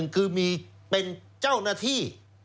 คือมีเป็นเจ้าหน้าที่